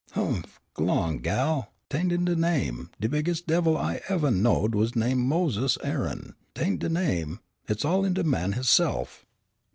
"Humph! g'long, gal; 'tain't in de name; de biggest devil I evah knowed was named Moses Aaron. 'Tain't in de name, hit's all in de man hisse'f."